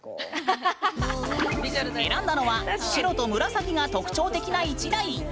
選んだのは白と紫が特徴的な１台。